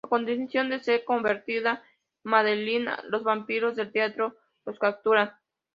A continuación de ser convertida Madeleine, los vampiros del teatro los capturan.